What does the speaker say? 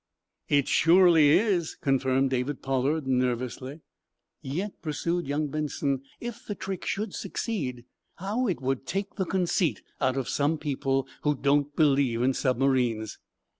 "It surely is," confirmed David Pollard, nervously. "Yet," pursued young Benson, "if the trick should succeed, how it would take the conceit out of some people who don't believe in submarines."